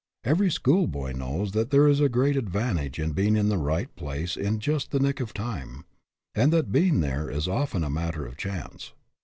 Every schoolboy knows that there is a great advantage in being in the right place in just the nick of time, and that being there is often a matter of chance.